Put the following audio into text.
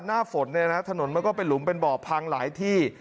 หน้าฝนเนี่ยนะถนนมันก็เป็นหลุมเป็นบ่อพังหลายที่